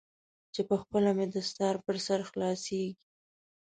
چې پخپله مې دستار پر سر خلاصیږي.